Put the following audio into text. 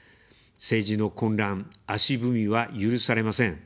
政治の混乱、足踏みは許されません。